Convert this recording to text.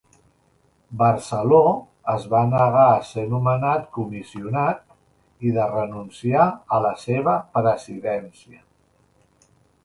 Barceló es va negar a ser nomenat Comissionat i de renunciar a la seva presidència.